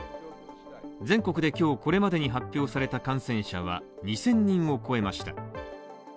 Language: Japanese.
全国で今日これまでに発表された感染者は２０００人を超えました。